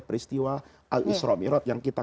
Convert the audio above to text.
peristiwa al isra mirot yang kita